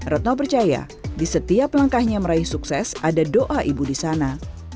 retno percaya di setiap langkahnya meraih sukses ada doa ibu di sana